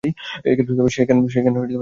সেই কান্না দীর্ঘস্থায়ী হল না।